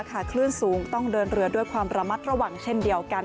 คลื่นสูงต้องเดินเรือด้วยความระมัดระวังเช่นเดียวกัน